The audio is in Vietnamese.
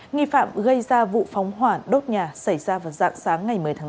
nghi phạm gây ra vụ phóng hỏa đốt nhà xảy ra vào dạng sáng ngày một mươi tháng bốn